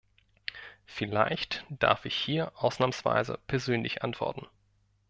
Vielleicht darf ich hier ausnahmsweise persönlich antworten.